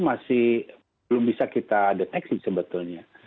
masih belum bisa kita deteksi sebetulnya